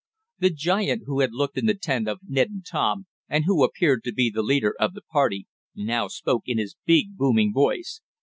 The giant who had looked in the tent of Ned and Tom, and who appeared to be the leader of the party, now spoke in his big, booming voice.